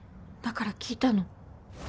だから聞いたの。